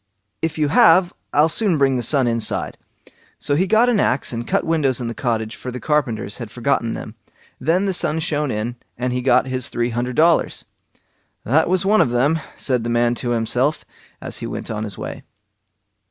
"If you have, I'll soon bring the sun inside." So he got an axe and cut windows in the cottage, for the carpenters had forgotten them; then the sun shone in, and he got his three hundred dollars. "That was one of them", said the man to himself, as he went on his way.